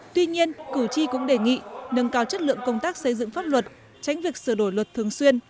tuy nhiên cử tri cũng đề nghị nâng cao chất lượng công tác xây dựng pháp luật tránh việc sửa đổi luật thường xuyên